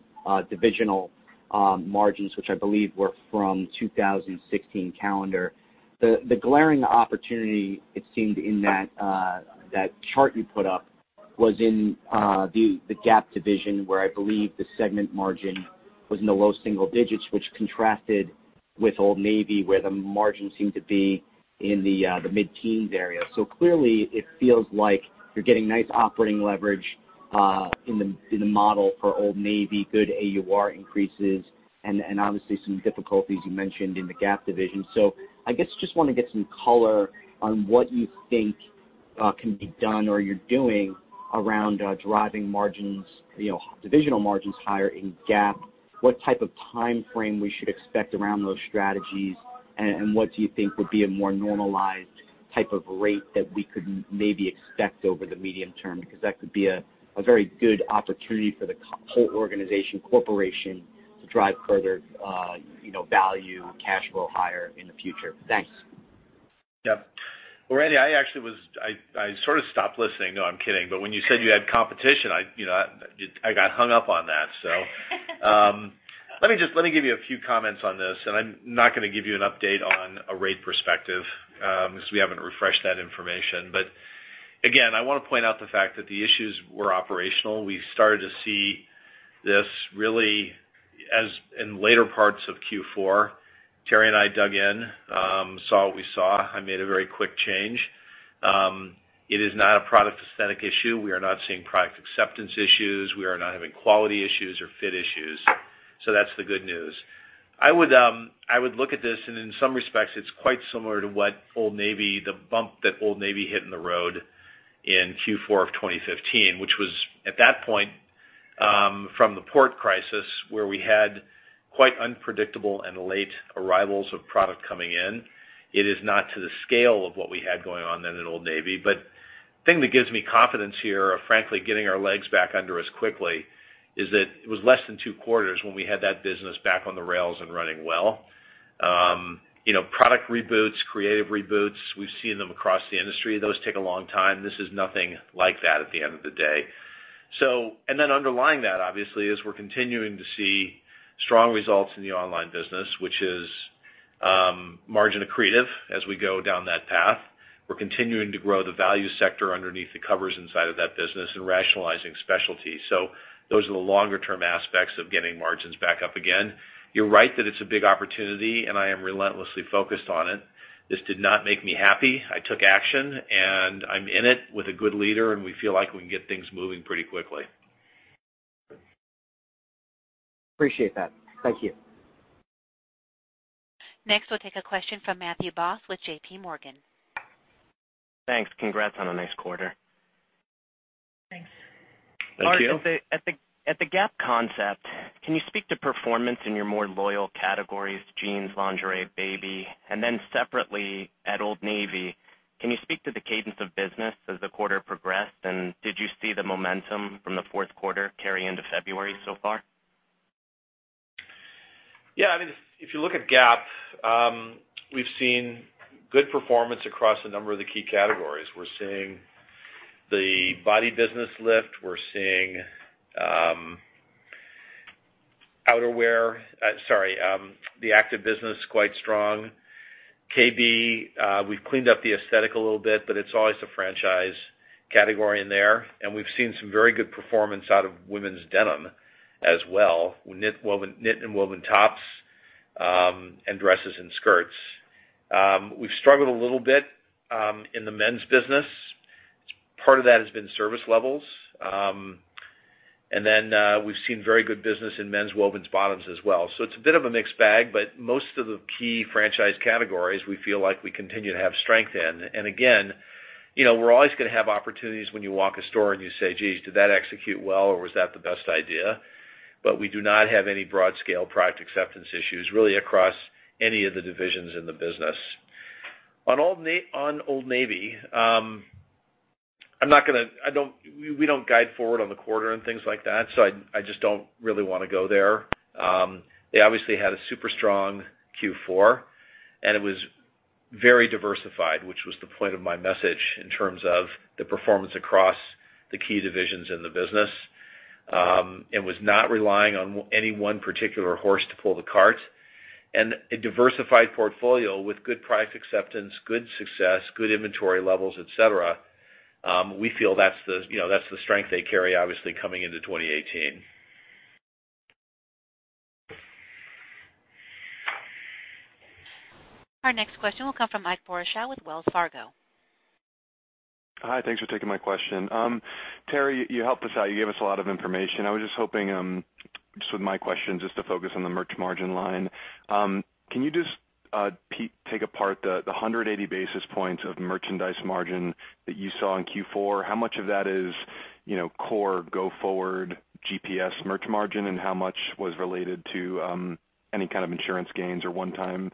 Speaker 5: divisional margins, which I believe were from 2016 calendar. The glaring opportunity, it seemed in that chart you put up was in the Gap division, where I believe the segment margin was in the low single digits, which contrasted with Old Navy, where the margin seemed to be in the mid-teens area. Clearly it feels like you're getting nice operating leverage in the model for Old Navy, good AUR increases, and obviously some difficulties you mentioned in the Gap division. I guess just want to get some color on what you think can be done or you're doing around driving divisional margins higher in Gap, what type of timeframe we should expect around those strategies, and what do you think would be a more normalized type of rate that we could maybe expect over the medium term? Because that could be a very good opportunity for the whole organization corporation to drive further value cash flow higher in the future. Thanks.
Speaker 3: Yep. Well, Randy, I sort of stopped listening. No, I'm kidding. When you said you had competition, I got hung up on that, so. Let me give you a few comments on this, I'm not going to give you an update on a rate perspective, because we haven't refreshed that information. Again, I want to point out the fact that the issues were operational. We started to see this really as in later parts of Q4. Teri and I dug in, saw what we saw. I made a very quick change. It is not a product aesthetic issue. We are not seeing product acceptance issues. We are not having quality issues or fit issues. That's the good news. I would look at this, in some respects, it's quite similar to the bump that Old Navy hit in the road in Q4 of 2015, which was at that point from the port crisis, where we had quite unpredictable and late arrivals of product coming in. It is not to the scale of what we had going on then at Old Navy. The thing that gives me confidence here of frankly getting our legs back under us quickly is that it was less than two quarters when we had that business back on the rails and running well. Product reboots, creative reboots, we've seen them across the industry. Those take a long time. This is nothing like that at the end of the day. Underlying that, obviously, we're continuing to see strong results in the online business, which is margin accretive as we go down that path. We're continuing to grow the value sector underneath the covers inside of that business and rationalizing specialty. Those are the longer-term aspects of getting margins back up again. You're right that it's a big opportunity, and I am relentlessly focused on it. This did not make me happy. I took action, and I'm in it with a good leader, and we feel like we can get things moving pretty quickly.
Speaker 5: Appreciate that. Thank you.
Speaker 1: Next, we'll take a question from Matthew Boss with JPMorgan.
Speaker 6: Thanks. Congrats on a nice quarter.
Speaker 3: Thanks.
Speaker 4: Thank you.
Speaker 6: Art, at the Gap concept, can you speak to performance in your more loyal categories, jeans, lingerie, baby? Then separately at Old Navy, can you speak to the cadence of business as the quarter progressed, and did you see the momentum from the fourth quarter carry into February so far?
Speaker 3: Yeah. If you look at Gap, we've seen good performance across a number of the key categories. We're seeing the body business lift. We're seeing the active business quite strong. KB, we've cleaned up the aesthetic a little bit, but it's always a franchise category in there, and we've seen some very good performance out of women's denim as well. Knit and woven tops, and dresses and skirts. We've struggled a little bit in the men's business. Part of that has been service levels. Then, we've seen very good business in men's wovens bottoms as well. It's a bit of a mixed bag, but most of the key franchise categories, we feel like we continue to have strength in. Again, we're always going to have opportunities when you walk a store and you say, "Geez, did that execute well, or was that the best idea?" We do not have any broad scale product acceptance issues, really across any of the divisions in the business. On Old Navy, we don't guide forward on the quarter and things like that, I just don't really want to go there. They obviously had a super strong Q4, and it was very diversified, which was the point of my message in terms of the performance across the key divisions in the business, and was not relying on any one particular horse to pull the cart. A diversified portfolio with good price acceptance, good success, good inventory levels, et cetera, we feel that's the strength they carry, obviously, coming into 2018.
Speaker 1: Our next question will come from Ike Boruchow with Wells Fargo.
Speaker 7: Hi, thanks for taking my question. Teri, you helped us out. You gave us a lot of information. I was just hoping, just with my questions, just to focus on the merch margin line. Can you just take apart the 180 basis points of merchandise margin that you saw in Q4? How much of that is core go forward GPS merch margin, and how much was related to any kind of insurance gains or one-time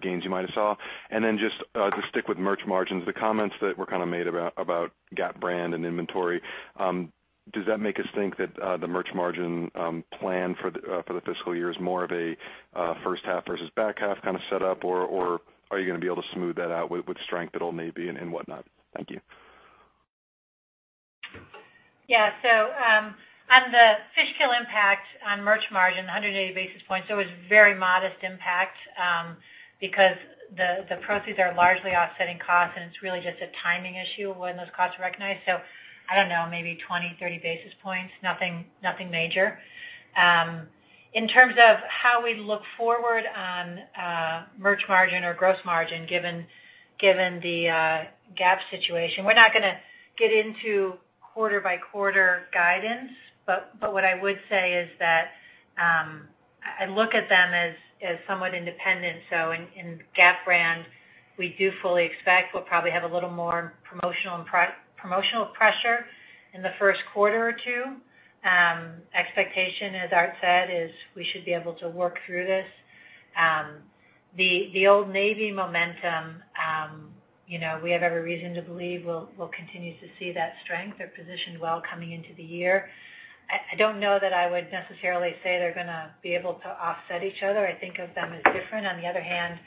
Speaker 7: gains you might have saw? Then just to stick with merch margins, the comments that were made about Gap brand and inventory, does that make us think that the merch margin plan for the fiscal year is more of a first half versus back half kind of setup, or are you going to be able to smooth that out with strength at Old Navy and whatnot? Thank you.
Speaker 4: Yeah. On the Fishkill impact on merch margin, 180 basis points, it was very modest impact, because the proceeds are largely offsetting costs, and it's really just a timing issue of when those costs are recognized. I don't know, maybe 20, 30 basis points, nothing major. In terms of how we look forward on merch margin or gross margin, given the Gap situation, we're not going to get into quarter by quarter guidance. What I would say is that I look at them as somewhat independent. In Gap brand, we do fully expect we'll probably have a little more promotional pressure in the first quarter or two. Expectation, as Art said, is we should be able to work through this. The Old Navy momentum, we have every reason to believe we'll continue to see that strength. They're positioned well coming into the year. I don't know that I would necessarily say they're going to be able to offset each other. I think of them as different. On the other hand,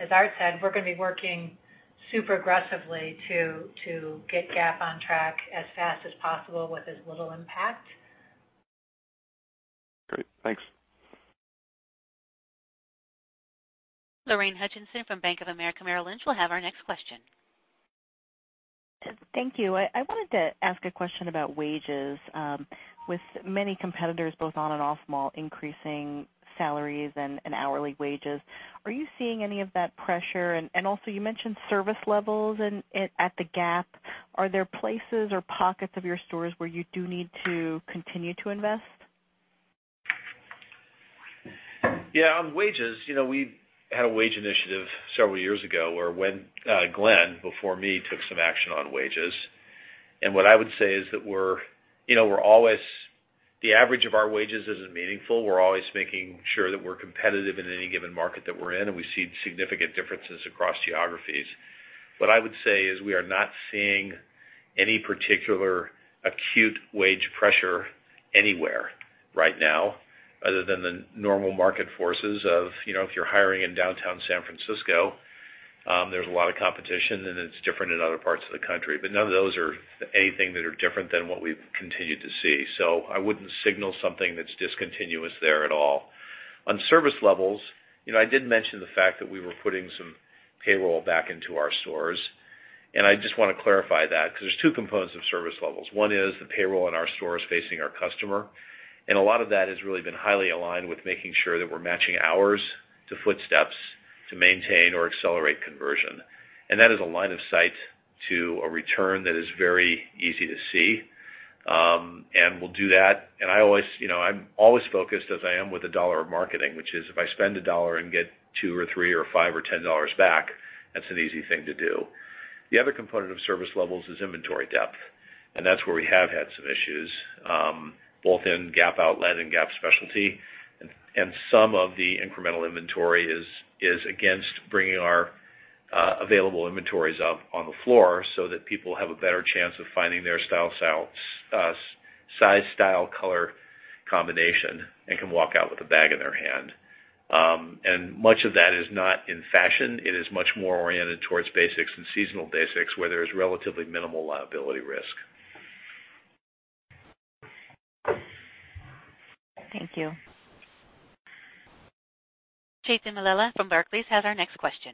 Speaker 4: as Art said, we're going to be working super aggressively to get Gap on track as fast as possible with as little impact.
Speaker 7: Great. Thanks.
Speaker 1: Lorraine Hutchinson from Bank of America Merrill Lynch will have our next question.
Speaker 8: Thank you. I wanted to ask a question about wages. With many competitors, both on and off mall, increasing salaries and hourly wages, are you seeing any of that pressure? You mentioned service levels at the Gap. Are there places or pockets of your stores where you do need to continue to invest?
Speaker 3: Yeah. On wages, we had a wage initiative several years ago where Glenn, before me, took some action on wages. What I would say is that the average of our wages isn't meaningful. We're always making sure that we're competitive in any given market that we're in, and we see significant differences across geographies. What I would say is we are not seeing any particular acute wage pressure anywhere right now, other than the normal market forces of, if you're hiring in downtown San Francisco, there's a lot of competition, and it's different in other parts of the country. None of those are anything that are different than what we've continued to see. I wouldn't signal something that's discontinuous there at all. On service levels, I did mention the fact that we were putting some payroll back into our stores. I just want to clarify that, because there's 2 components of service levels. One is the payroll in our stores facing our customer, and a lot of that has really been highly aligned with making sure that we're matching hours to footsteps to maintain or accelerate conversion. That is a line of sight to a return that is very easy to see. We'll do that. I'm always focused as I am with a dollar of marketing, which is if I spend a dollar and get two or three or five or $10 back, that's an easy thing to do. The other component of service levels is inventory depth, and that's where we have had some issues, both in Gap Outlet and Gap Specialty. Some of the incremental inventory is against bringing our available inventories up on the floor so that people have a better chance of finding their size, style, color combination, and can walk out with a bag in their hand. Much of that is not in fashion. It is much more oriented towards basics and seasonal basics, where there is relatively minimal liability risk.
Speaker 8: Thank you.
Speaker 1: Jason Malella from Barclays has our next question.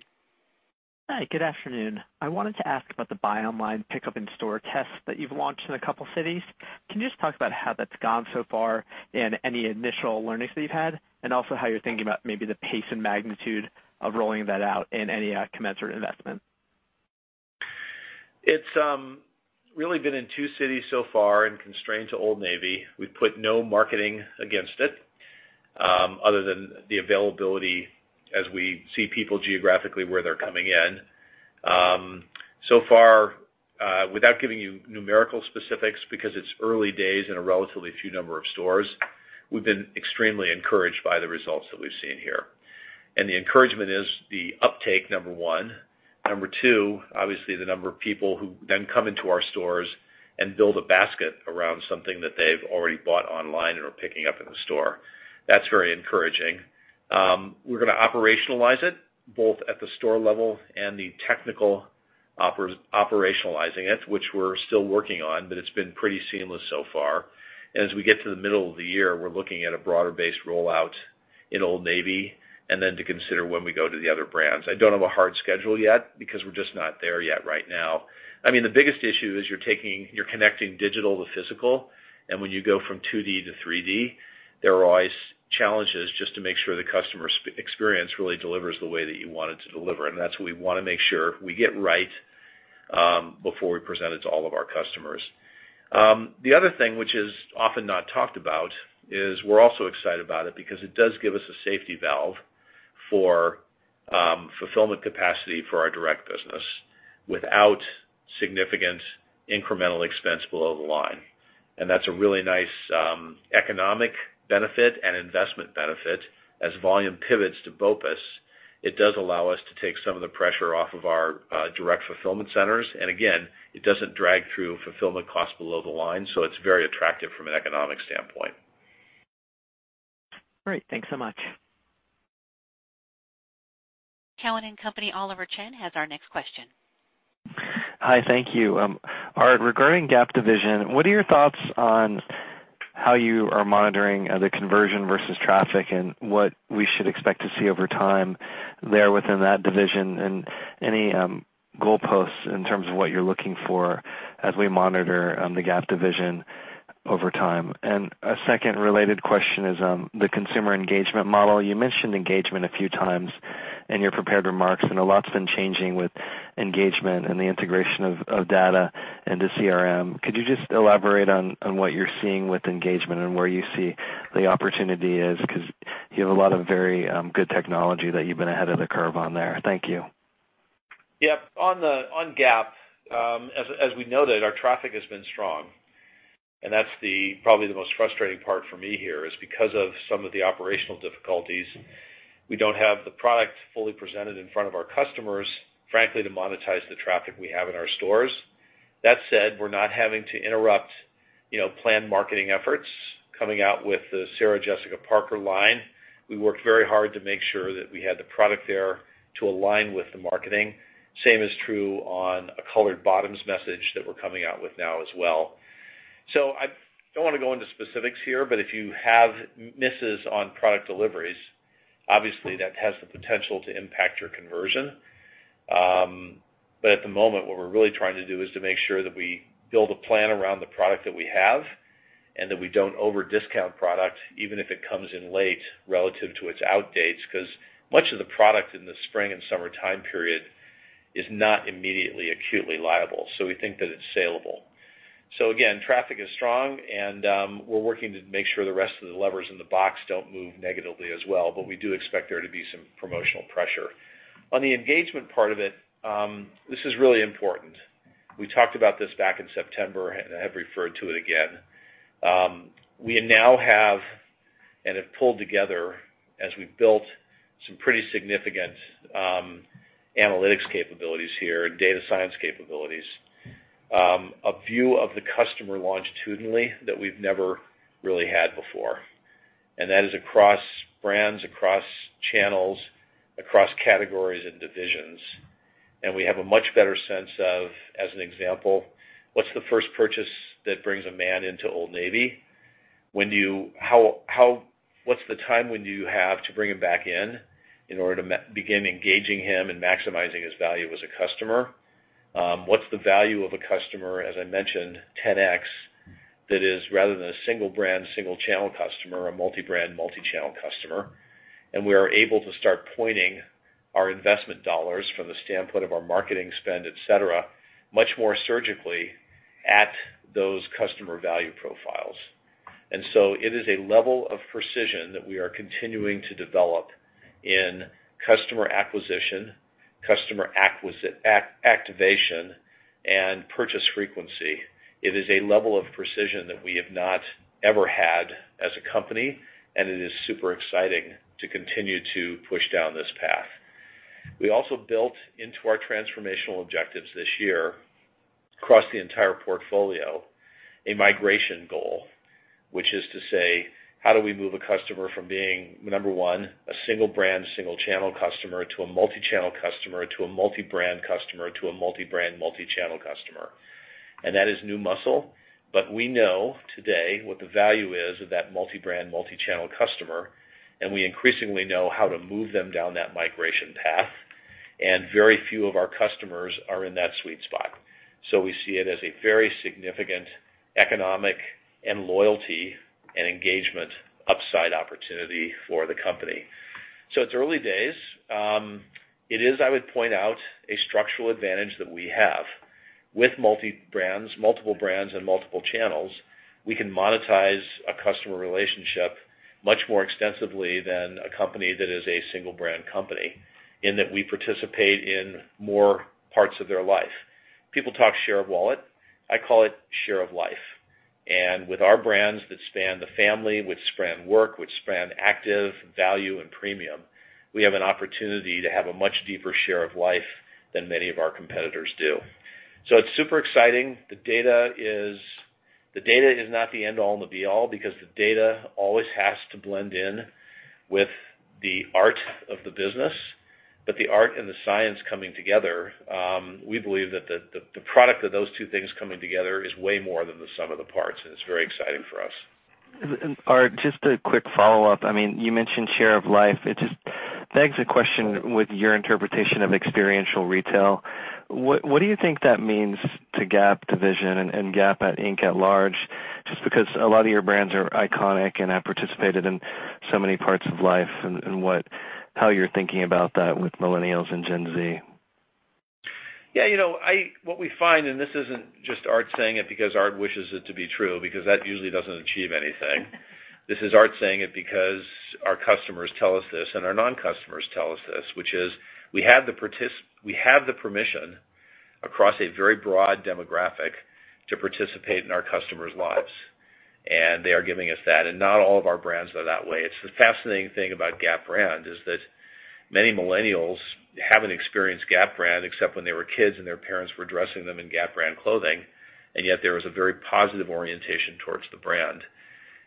Speaker 9: Hi, good afternoon. I wanted to ask about the buy online, pickup in-store test that you've launched in a couple of cities. Can you just talk about how that's gone so far and any initial learnings that you've had, and also how you're thinking about maybe the pace and magnitude of rolling that out and any commensurate investment?
Speaker 3: It's really been in two cities so far and constrained to Old Navy. We've put no marketing against it, other than the availability as we see people geographically where they're coming in. So far, without giving you numerical specifics, because it's early days and a relatively few number of stores, we've been extremely encouraged by the results that we've seen here. The encouragement is the uptake, number one. Number two, obviously the number of people who then come into our stores and build a basket around something that they've already bought online or are picking up in the store. That's very encouraging. We're going to operationalize it both at the store level and the technical operationalizing it, which we're still working on, but it's been pretty seamless so far. As we get to the middle of the year, we're looking at a broader base rollout in Old Navy, then to consider when we go to the other brands. I don't have a hard schedule yet because we're just not there yet right now. The biggest issue is you're connecting digital to physical, when you go from 2D to 3D, there are always challenges just to make sure the customer experience really delivers the way that you want it to deliver. That's what we want to make sure we get right before we present it to all of our customers. The other thing, which is often not talked about, is we're also excited about it because it does give us a safety valve for fulfillment capacity for our direct business without significant incremental expense below the line. That's a really nice economic benefit and investment benefit. As volume pivots to BOPUS, it does allow us to take some of the pressure off of our direct fulfillment centers. Again, it doesn't drag through fulfillment costs below the line, so it's very attractive from an economic standpoint.
Speaker 9: Great. Thanks so much.
Speaker 1: Cowen and Company, Oliver Chen, has our next question.
Speaker 10: Hi, thank you. Art, regarding Gap division, what are your thoughts on how you are monitoring the conversion versus traffic and what we should expect to see over time there within that division, any goalposts in terms of what you're looking for as we monitor the Gap division over time? A second related question is on the consumer engagement model. You mentioned engagement a few times in your prepared remarks, a lot's been changing with engagement and the integration of data into CRM. Could you just elaborate on what you're seeing with engagement and where you see the opportunity is? You have a lot of very good technology that you've been ahead of the curve on there. Thank you.
Speaker 3: Yep. On Gap, as we noted, our traffic has been strong, that's probably the most frustrating part for me here is because of some of the operational difficulties, we don't have the product fully presented in front of our customers, frankly, to monetize the traffic we have in our stores. That said, we're not having to interrupt planned marketing efforts. Coming out with the Sarah Jessica Parker line, we worked very hard to make sure that we had the product there to align with the marketing. Same is true on a colored bottoms message that we're coming out with now as well. I don't want to go into specifics here, but if you have misses on product deliveries, obviously that has the potential to impact your conversion. At the moment, what we're really trying to do is to make sure that we build a plan around the product that we have and that we don't over-discount product, even if it comes in late relative to its out dates. Much of the product in the spring and summer time period is not immediately acutely liable, so we think that it's saleable. Again, traffic is strong and we're working to make sure the rest of the levers in the box don't move negatively as well. We do expect there to be some promotional pressure. On the engagement part of it, this is really important. We talked about this back in September and I have referred to it again. We now have and have pulled together, as we've built some pretty significant analytics capabilities here and data science capabilities, a view of the customer longitudinally that we've never really had before. That is across brands, across channels, across categories and divisions. We have a much better sense of, as an example, what's the first purchase that brings a man into Old Navy? What's the time window you have to bring him back in order to begin engaging him and maximizing his value as a customer? What's the value of a customer, as I mentioned, 10x, that is rather than a single brand, single channel customer, a multi-brand, multi-channel customer? We are able to start pointing our investment dollars from the standpoint of our marketing spend, et cetera, much more surgically at those customer value profiles. It is a level of precision that we are continuing to develop in customer acquisition, customer activation And purchase frequency, it is a level of precision that we have not ever had as a company, and it is super exciting to continue to push down this path. We also built into our transformational objectives this year across the entire portfolio, a migration goal, which is to say, how do we move a customer from being, number 1, a single brand, single channel customer to a multi-channel customer, to a multi-brand customer, to a multi-brand, multi-channel customer. That is new muscle, but we know today what the value is of that multi-brand, multi-channel customer, and we increasingly know how to move them down that migration path. Very few of our customers are in that sweet spot. We see it as a very significant economic and loyalty and engagement upside opportunity for the company. It's early days. It is, I would point out, a structural advantage that we have. With multiple brands and multiple channels, we can monetize a customer relationship much more extensively than a company that is a single brand company, in that we participate in more parts of their life. People talk share of wallet. I call it share of life. With our brands which span the family, which span work, which span active, value, and premium, we have an opportunity to have a much deeper share of life than many of our competitors do. It's super exciting. The data is not the end-all and be-all because the data always has to blend in with the art of the business. The art and the science coming together, we believe that the product of those two things coming together is way more than the sum of the parts, and it's very exciting for us.
Speaker 10: Art, just a quick follow-up. You mentioned share of life. It just begs the question with your interpretation of experiential retail, what do you think that means to Gap division and Gap Inc. at large? Just because a lot of your brands are iconic and have participated in so many parts of life and how you're thinking about that with millennials and Gen Z.
Speaker 3: What we find, and this isn't just Art saying it because Art wishes it to be true, because that usually doesn't achieve anything. This is Art saying it because our customers tell us this and our non-customers tell us this, which is we have the permission across a very broad demographic to participate in our customers' lives, and they are giving us that. Not all of our brands are that way. It's the fascinating thing about Gap brand is that many millennials haven't experienced Gap brand except when they were kids and their parents were dressing them in Gap brand clothing, and yet there was a very positive orientation towards the brand.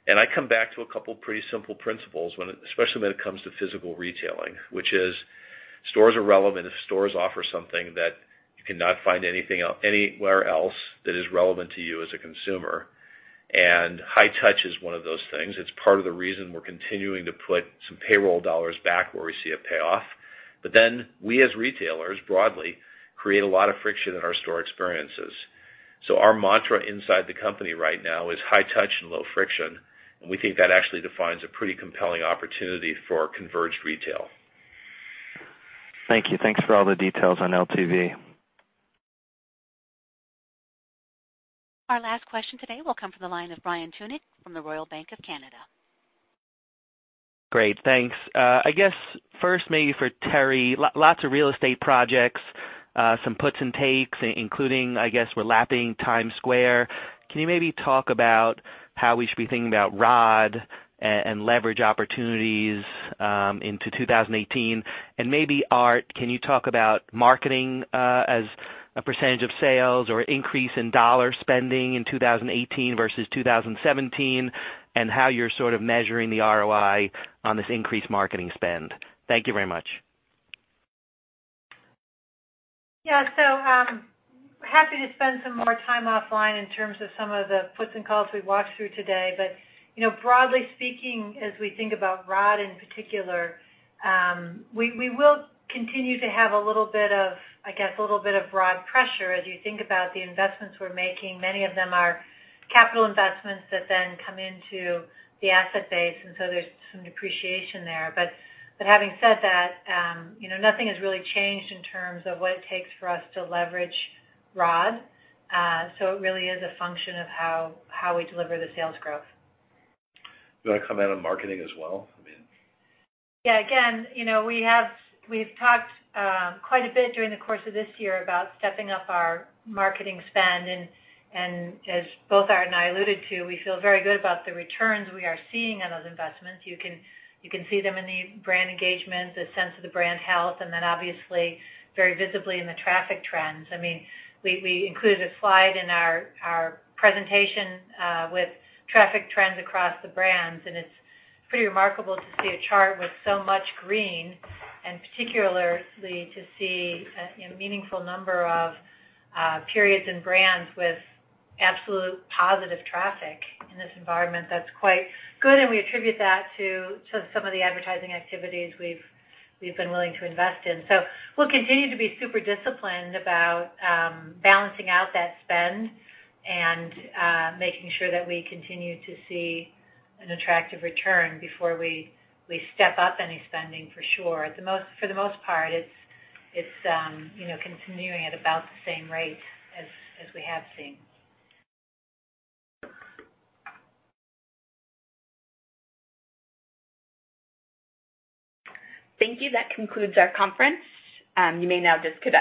Speaker 3: I come back to a couple pretty simple principles, especially when it comes to physical retailing, which is stores are relevant if stores offer something that you cannot find anywhere else that is relevant to you as a consumer, and high touch is one of those things. It's part of the reason we're continuing to put some payroll dollars back where we see a payoff. We, as retailers, broadly, create a lot of friction in our store experiences. Our mantra inside the company right now is high touch and low friction, and we think that actually defines a pretty compelling opportunity for converged retail.
Speaker 10: Thank you. Thanks for all the details on LTV.
Speaker 1: Our last question today will come from the line of Brian Tunick from the Royal Bank of Canada.
Speaker 11: Great. Thanks. I guess first maybe for Teri, lots of real estate projects, some puts and takes, including, I guess, we're lapping Times Square. Can you maybe talk about how we should be thinking about ROD and leverage opportunities into 2018? Maybe Art, can you talk about marketing as a % of sales or increase in $ spending in 2018 versus 2017, and how you're sort of measuring the ROI on this increased marketing spend? Thank you very much.
Speaker 4: Yeah. Happy to spend some more time offline in terms of some of the puts and calls we walked through today. Broadly speaking, as we think about ROD in particular, we will continue to have, I guess, a little bit of ROD pressure as you think about the investments we're making. Many of them are capital investments that then come into the asset base, there's some depreciation there. Having said that, nothing has really changed in terms of what it takes for us to leverage ROD. It really is a function of how we deliver the sales growth. Do you want to comment on marketing as well? I mean Yeah.
Speaker 3: We've talked quite a bit during the course of this year about stepping up our marketing spend, as both Art and I alluded to, we feel very good about the returns we are seeing on those investments. You can see them in the brand engagement, the sense of the brand health, obviously very visibly in the traffic trends. We included a slide in our presentation with traffic trends across the brands, it's pretty remarkable to see a chart with so much green, particularly to see a meaningful number of periods and brands with absolute positive traffic in this environment. That's quite good, we attribute that to some of the advertising activities we've been willing to invest in. We'll continue to be super disciplined about balancing out that spend and making sure that we continue to see an attractive return before we step up any spending for sure. For the most part, it's continuing at about the same rate as we have seen.
Speaker 1: Thank you. That concludes our conference. You may now disconnect.